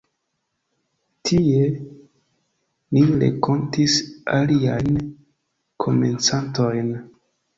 Tie, ni renkontis aliajn komencantojn.